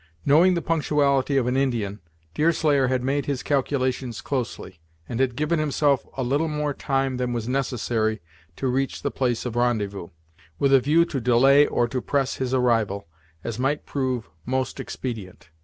Knowing the punctuality of an Indian, Deerslayer had made his calculations closely, and had given himself a little more time than was necessary to reach the place of rendezvous, with a view to delay or to press his arrival, as might prove most expedient.